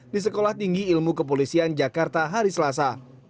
di sekolah tinggi ilmu kepolisian jakarta hari selasa